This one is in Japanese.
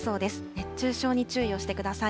熱中症に注意をしてください。